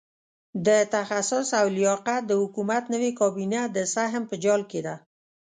د تخصص او لیاقت د حکومت نوې کابینه د سهم په جال کې ده.